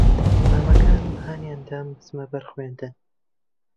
مامەکانم ھانیان دام بچمە بەر خوێندن